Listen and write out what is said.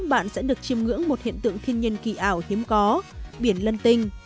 bạn sẽ được chiêm ngưỡng một hiện tượng thiên nhiên kỳ ảo hiếm có biển lân tinh